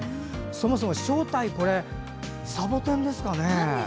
そもそも正体、サボテンですかね。